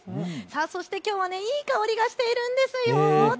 そしてきょうはいい香りがしているんですよ。